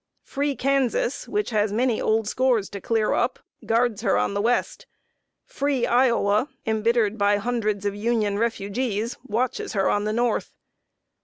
Free Kansas, which has many old scores to clear up, guards her on the west. Free Iowa, embittered by hundreds of Union refugees, watches her on the north.